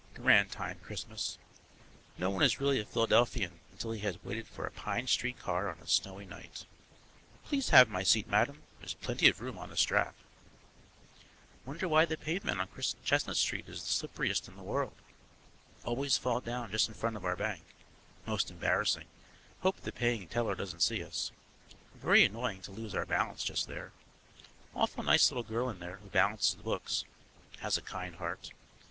Grand time, Christmas! No one is really a Philadelphian until he has waited for a Pine Street car on a snowy night. Please have my seat, madam, there's plenty of room on the strap. Wonder why the pavement on Chestnut Street is the slipperiest in the world? Always fall down just in front of our bank; most embarrassing; hope the paying teller doesn't see us. Very annoying to lose our balance just there. Awfully nice little girl in there who balances the books. Has a kind heart.